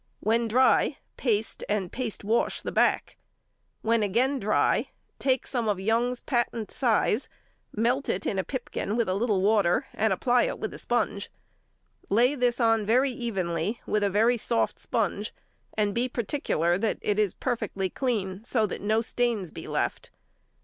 When dry, paste and paste wash the back. When again dry, take some of Young's patent size, melt it in a pipkin with a little water and apply it with a sponge. Lay this on very evenly with a very soft sponge, and be particular that it is perfectly clean, so that no stains be left.